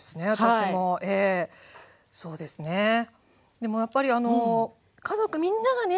でもやっぱり家族みんながね